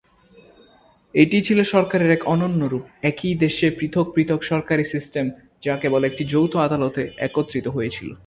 এটি ছিল সরকারের এক অনন্য রূপ, একই দেশে পৃথক পৃথক সরকারী সিস্টেম যা কেবল একটি যৌথ আদালতে একত্রিত হয়েছিল।